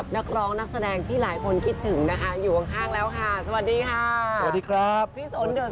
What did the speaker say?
ตื่นดูเธอไม่อยู่แอบดูแวะมอง